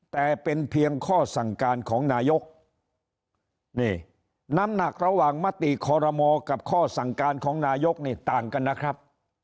แต่เป็นเพียงข้อสั่งการของนายกนี่น้ำหนักระหว่างมติคอรมอกับข้อสั่งการของนายกนี่ต่างกันนะครับ